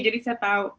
jadi saya tau